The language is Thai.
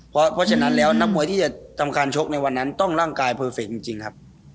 เพราะฉะนั้นแล้วนักมวยที่จะทำการชกในวันนั้นต้องร่างกายเพอร์เฟคจริงครับ